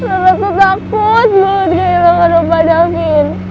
aku takut takut bahwa dia hilangkan opa dakin